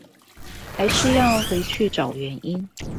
還是要回去找原因